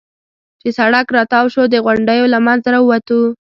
چې سړک را تاو شو، د غونډیو له منځه را ووتو.